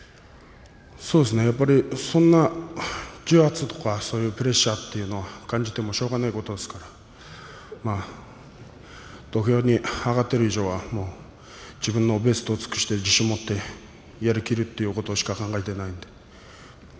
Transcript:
そうですね、やっぱりそんな重圧とかプレッシャーというのは感じてもしょうがないことですからまあ、土俵に上がっている以上は自分のベストを尽くして自信を持ってやりきるということしか考えていません。